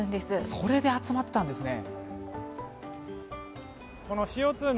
それで集まったんですね。